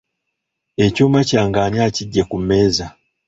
Ekyuma kyange ani akiggye ku mmeeza?